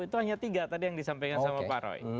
itu hanya tiga tadi yang disampaikan sama pak roy